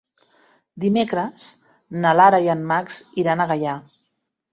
Dimecres na Lara i en Max iran a Gaià.